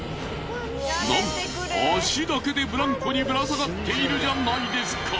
なんと足だけでブランコにぶら下がっているじゃないですか！